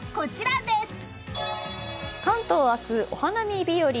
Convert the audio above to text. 関東明日、お花見日和。